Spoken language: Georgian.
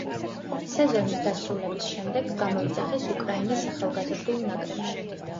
სეზონის დასრულების შემდეგ გამოიძახეს უკრაინის ახალგაზრდულ ნაკრებში.